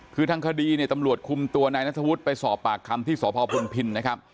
คือทางคดีเนี่ยตำรวจคุมตัวนายนัทวุฒิไปสอบปากคำที่สพพลพินนะครับ